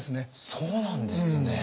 そうなんですね。